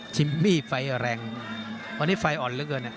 จิมมี่ไฟแรงวันนี้ไฟอ่อนหรือเปล่าเนี่ย